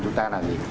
chúng ta làm gì